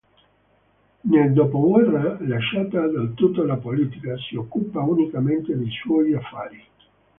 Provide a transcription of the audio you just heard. Nel dopoguerra, lasciata del tutto la politica, si occupa unicamente dei suoi affari.